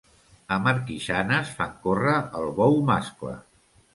A Marquixanes fan córrer el bou mascle.